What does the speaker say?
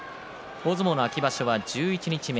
大相撲の秋場所は十一日目。